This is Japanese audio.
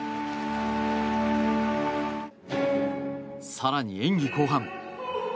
更に、演技後半。